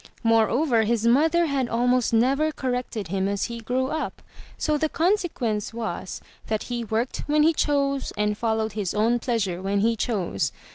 Moreover, his mother had almost never corrected him as he grew up, so the consequence was that he worked when he chose, and followed his own pleasure when he chose.